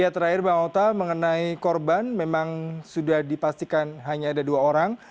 terakhir bang ota mengenai korban memang sudah dipastikan hanya ada dua orang